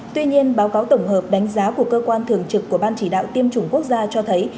tuy nhiên báo cáo tổng hợp đánh giá của cơ quan thường trực của ban chỉ đạo tiêm chủng quốc gia cho thấy